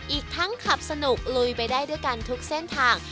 อีกทั้งขับสนุกลุยไปได้ด้วยกันทุกเส้นทาง